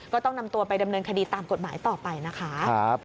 ก็ต้องนำตัวไปดำเนินคดีตามกฎหมายต่อไปนะคะ